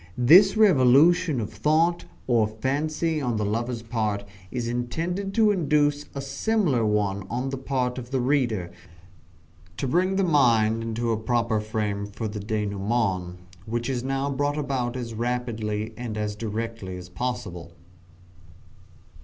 This revolution of thought, or fancy, on the lover's part, is intended to induce a similar one on the part of the reader to bring the mind into a proper frame for the denouement which is now brought about as rapidly and as directly as possible.